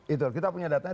itu kita punya datanya